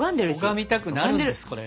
拝みたくなるんですこれが。